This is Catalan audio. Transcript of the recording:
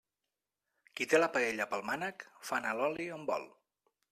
Qui té la paella pel mànec, fa anar l'oli on vol.